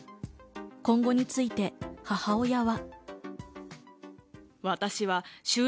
今後について母親は。